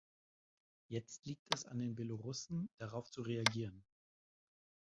Jetzt liegt es an den Belorussen, darauf zu reagieren.